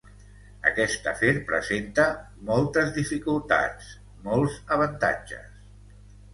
Aquest afer presenta moltes dificultats, molts avantatges.